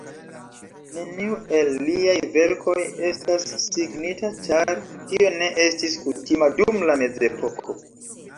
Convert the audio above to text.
Neniu el liaj verkoj estas signita, ĉar tio ne estis kutima dum la mezepoko.